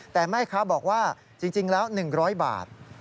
แต่แม่ค้าบอกว่าจริงแล้ว๑๐๐บาท